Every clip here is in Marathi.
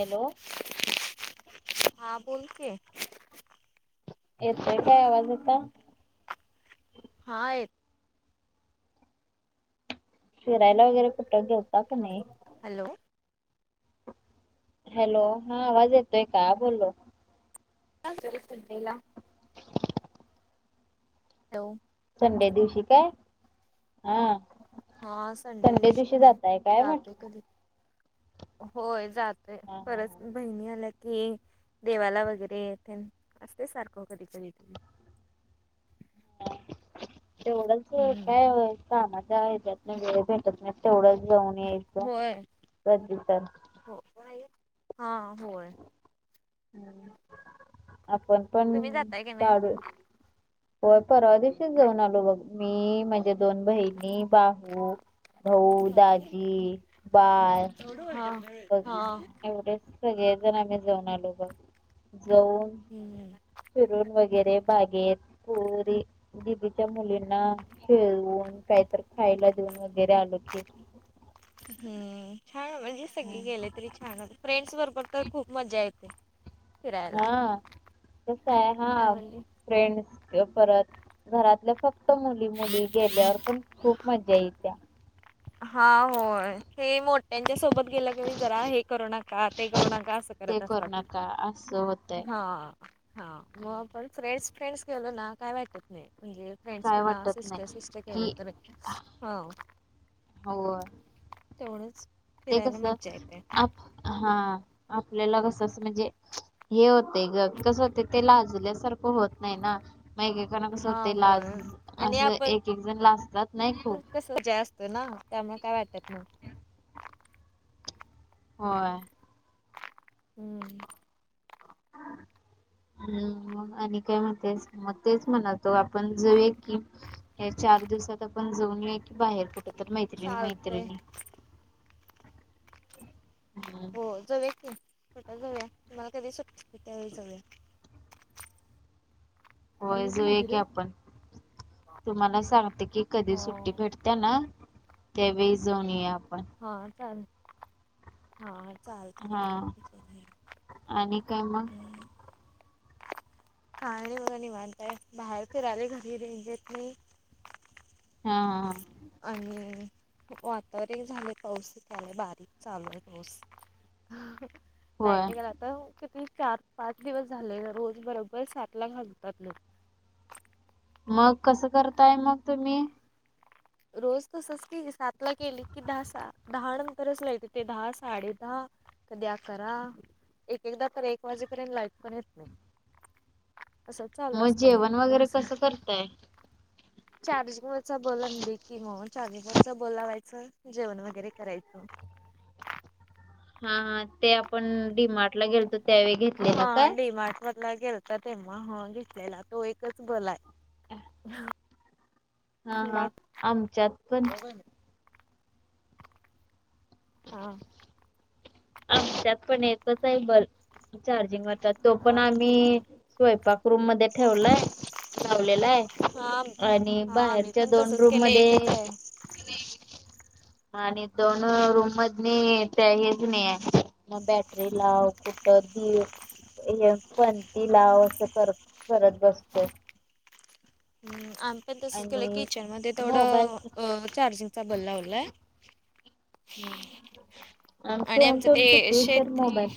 हॅलो हा बोल की येतंय काय आवाज आता हा येते फिरायला वगैरे कुठं गेलता का नाही हॅलो हॅलो हा आवाज येतोय का बोललो हरी सद्धला हॅलो संडे दिवशी काय हा हा संडे दिवशी पण जाताय काय म्हटलं जातोय कधी होय जातय हा हा खरच हा बणी आल्या की देवाला वगैरेथ असे सारखं कधी कधी तेवढंच हम्म काय कामाच्या हच्यात वेळ तेवढंच जाऊन यायचं होय कधी तर हो हा होय हम् आपण पण तुम्ही जाताय की नाही काढू होय परवा दिेशीच जाऊन आलो बघ मी म्ह माझे दोन बहिणी बाहू भाऊ दाजी बाय हा हा'' एवढे सगळे जण आम्ही जाऊन आलो बघ जाऊन ह फिरून वगैरे बागेत पुरी दिबीच्या मुलींना खेळून काहीत खायला देऊन वगैरे आलो की हम्म छान म्हणजे सगळे हम्म. गेले तरी छान फ्रेंड्स बरोबर तर खूप मजा येते फिरायला हा कस आहे हा फॅमिली फ्रेंड्स परत घरातलं फक्त फ मुली मुली गेल्यावर पण खूप मजा येत्या हा होय हे मोठ त्यांच्या सोबत गेलं की जरा हे करू नका ते करू नका असं ते करत करू असतात नका असं होतंय हा हा मग आपण फ्रेंड्स फ्रेंड्स गेलो ना काय वाटत नाही म्हणजे फ्रेंड्स काय पण वाटत सिस्टर नाही सिस्टर केलं की तर हो हो' तेवढच फिरायला मज्जा येते आप हा आपल्याला कस अस म्हणजे हे होते ग कस होते ते लाजल्यासारखं होत नाही ना म कना कसं हा होते लाज होय आणि असं एक एक जण लाजतात नाही खूप कसजय असतो ना त्यामुळे काय वाटत नाही हो हम्म हम्म मग आणि काय म्हणतेच मग तेच म्हणात तो आपण जाऊ कि चार दिवसात आपण जाऊन ये की बाहेर कुठ तर मैतिणी चालतय मैत्रिणी हम्म हो जाऊया कट जाऊया तुम्हाला कधी सुट त्यावेळी जाऊया [inaudible] होय जोया की आपण तुम्हाला सांगते की कधी हो सुट्टी भेटते त्या ना तेवेजन आहे आपण हा चाल हा हा चालतय चालेल आणि काय मग हम्म. काय नई बगा निवांतय बाहेर फिराले घरी रेंज येत नाई. हा हा. आणि वातावरन झाले पाऊस त्यालामुळे बारीक चालू आहे पाऊस. [inaudible] होय लायटे गला आता किती चार पाच दिवस झाले रोज बरोबर सात ला घालतात लोक. मग कसं करताय मग तुम्ही? रोज तसच की सातला केली की दहा दहा नंतरच लाईट येते दहा साडे दहा कधी अकरा एक एकदा तर एक वाजेपर्यंत लाईट पण येत नाही. असं चालू मग असतं जेवण आमच्यात वगैरे रोज. कसं करतय? चार्जिंग वरचा बल आणली चॅनिग वरच बल लावायच जेवण वगैरे करायचं. हा हा ते आपण डीमार्ट ला गेलतो त्यावेळी घेतलेला हा काय? डिमार्ट मधून गेलता तेव्हा हा घेतलेला तो एकच बल आहे. हा हा आमच्यात पण [unintelligible] हा. आमच्यात पण एकच आहे बल्ब चार्जिंग वरचा तो पण हा आम्ही स्वयपाक रूम मध्ये ठेवलाय लावलेलाय. हा आणि आम्ही बाहेरच्या पण दोन तसच रूम केलं मध्ये एकच आहे. आणि दोन रूम मधनी त्या हेच नाही आहे मग बॅटरी लाव कु दीव हे पणती लाव अस कर करत बसतोय. हम आन पण तसच केलं आणि किचन मध्ये मोबाईल थोडं चार्जिंगचा बल् लावलाय. हम्म आणि फोन आमचं ठेवून ते किती उशीर शेत मोबाईल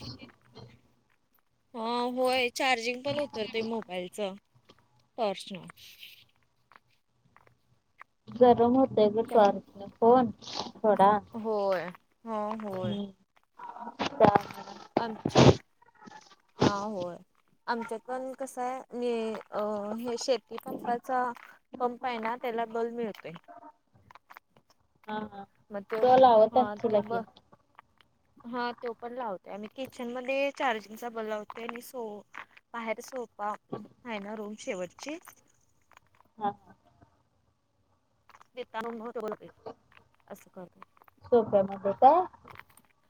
हा होय चार्जिंग पण उतरतय मोबाईलच टॉर्चन. गरम होतय ग टॉर्चन. कोण थोडा होय हो हम आमच हा होय आमच्यात पण कसंय म्हजे अ हे शेती पन चा पंप आहे ना त्याला बल मिळतोय. हा हा. म ते तो लावत हा ते असशीला की ब हा तो पण लावतेय आणि किचन मध्ये चार्जिंग चा बल लावतोय आणि सो बाहेर सोपा आहे ना रूम शेवटची हा हा. निता [unintelligible] असं कर सोप्यामध्ये काय?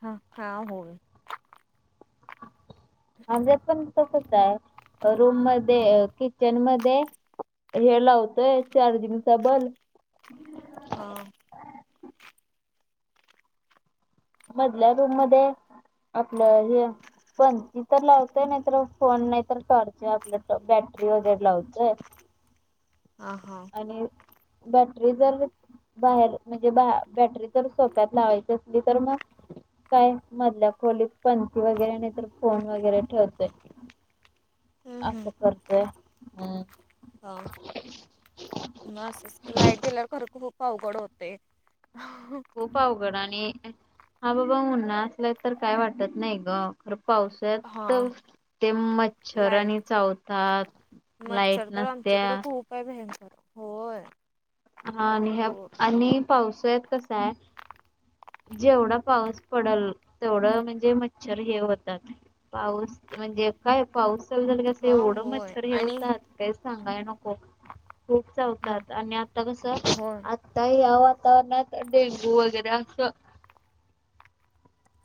हा हा होय. आमच्यात पण तसच आय रूम मध्ये किचन मध्ये हे लावतोय चार्जिंगचा बल हा. मधल्या रूम मधे आपलं हे पणती तर लावतोय नाहीतर फोन नाहीतर टॉर्च आपलं बॅटरी वगैरे लावतोय. ह हा. आणि बॅटरी जर बाहेर म्हणजे बा बॅटरी तर सोप्यात लावायची असली तर मग काय मधल्या खोलीत पंथी वगैरे नाही तर फोन वगैरे ठेवतोय. हम्म असं करतोय हम् हो म असच क लाईट गेल्यावर खरं खूप अवघड होते खूप अवघड आणि हा बाबा मुन्हा असला तर काय वाटत नाही गर पाऊस त हा ते मच्छर लाईट आणि चावतात लाईट नसत्या काय भनकर होय हा आणि ह भरपूर आणि पावसय कसा आहे जेवढा पाऊस पडेल तेवढं म्हणजे मच्छर हे होतात पाऊस म्हणजे काय पाऊस चालू झाला कसं हा ओढं होय मच्छर हे आणि होतात काही सांगाय न खूप चातात आणि आता कस होय. आता ह वातावरणात डेंगू वगैरे असं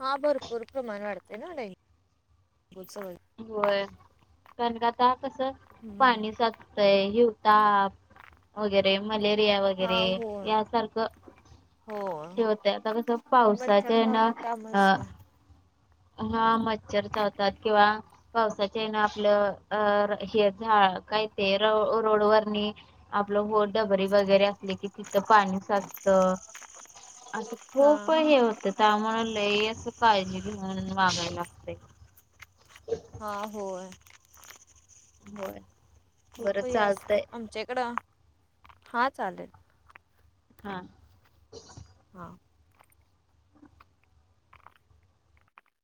हा भरपूर प्रमाण वाढतय ना डाूव होय कारण का आता कस हम्म. पाणी साचतय हिवता वगैरे मलेरिया हा वगैरे होय यासारखं होय. होते आता कसं मच्छर पावसाच्या ना चावतात अ त्यामुळेच काय हा मच्छर चावतात किंवा. पावसाच्या येन आपलं अ हे झा काय ते र रोड वणी. आपलं हो. डबरी वगैरे असली की तिथं पाणी साचत असं हा खूप हे होत. तर त्यामुळे लई असं काळजी घे म्हणून वागायला लागत. हा होय होय. बरं खूपही असते चालतंय आमच्याकडं हा चालेल. हा. हां.